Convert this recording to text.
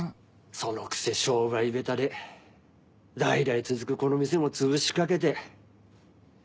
そのくせ商売下手で代々続くこの店もつぶしかけて。